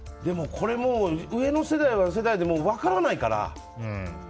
上の世代は世代で分からないから。